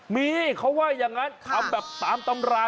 มีเขาว่าอย่างนั้นทำแบบตามตำรา